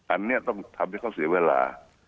อันนี้ต้องทำให้เขาเสียเวลา